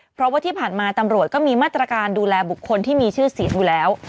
เพราะว่าที่ผ่านมาตำรวจก็มีมาตรการดูแลบุคคลที่มีชื่อเสียงอยู่แล้ว